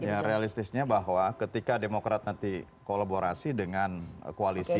ya realistisnya bahwa ketika demokrat nanti kolaborasi dengan koalisi